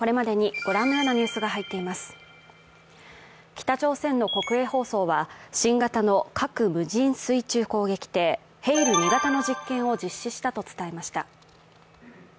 北朝鮮の国営放送は新型の核無人水中攻撃艇ヘイル２型の実験を実施したと伝えました。